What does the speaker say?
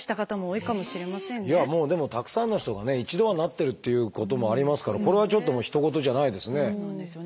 いやもうでもたくさんの人がね一度はなってるっていうこともありますからこれはちょっとひと事じゃないですね。